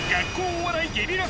お笑いゲリラ